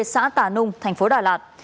xã tà nung thành phố đà lạt